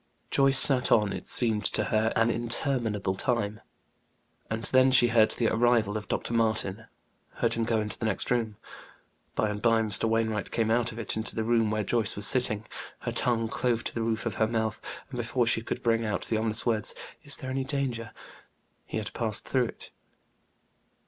Joyce sat on; it seemed to her an interminable time. And then she heard the arrival of Dr. Martin; heard him go into the next room. By and by Mr. Wainwright came out of it, into the room where Joyce was sitting. Her tongue clove to the roof of her mouth, and before she could bring out the ominous words, "Is there any danger?" he had passed through it.